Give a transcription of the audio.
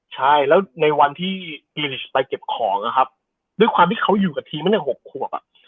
ใช่แล้วในวันที่ลิสไปเก็บของนะครับด้วยความที่เขาอยู่กับทีมตั้งแต่๖ขวบอ่ะ